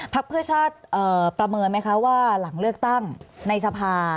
เพื่อชาติประเมินไหมคะว่าหลังเลือกตั้งในสภา